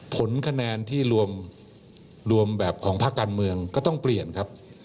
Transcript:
ผลคะแนนที่รวมแบบของภาคการเมืองก็ต้องเปลี่ยนครับ